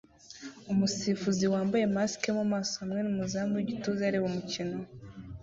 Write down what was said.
Umusifuzi wambaye mask yo mumaso hamwe numuzamu wigituza areba umukino